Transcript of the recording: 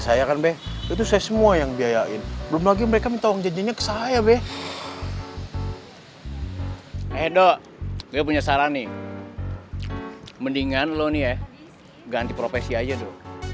sekarang nih mendingan lo nih ya ganti profesi aja dulu